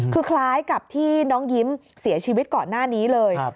คือคล้ายกับที่น้องยิ้มเสียชีวิตก่อนหน้านี้เลย